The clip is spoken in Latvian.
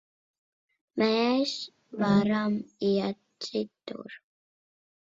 Mēs varam iet citur.